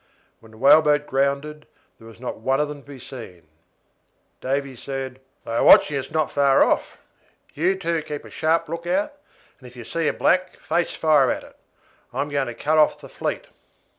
When the whaleboat grounded, there was not one of them to be seen. Davy said: "They are watching us not far off. You two keep a sharp look out, and if you see a black face fire at it. I am going to cut out the fleet."